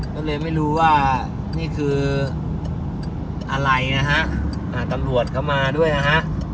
ก็เลยไม่รู้ว่านี่คืออะไรนะฮะตำรวจก็มาด้วยนะฮะ